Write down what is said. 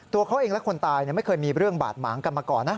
ตัวเขาเองและคนตายไม่เคยมีเรื่องบาดหมางกันมาก่อนนะ